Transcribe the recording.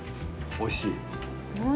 おいしい。